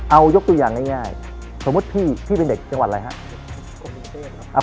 เอายกตัวอย่างง่ายสมมุติพี่เป็นเด็กจังหวัดอะไรครับ